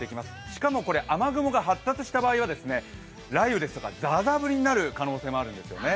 しかも、雨雲が発達した場合は雷雨ですとかザーザー降りになる可能性もあるんですね。